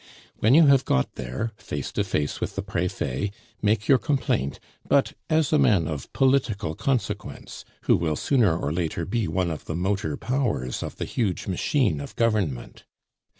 "When you have got there, face to face with the Prefet, make your complaint, but as a man of political consequence, who will sooner or later be one of the motor powers of the huge machine of government.